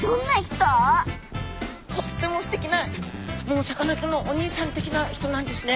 とってもすてきなさかなクンのお兄さん的な人なんですね。